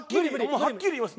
はっきり言います。